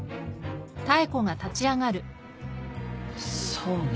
そうね。